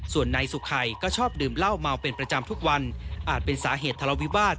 ส่วนนายสุขัยก็ชอบดื่มเหล้าเมาเป็นประจำทุกวันอาจเป็นสาเหตุทะเลาวิวาส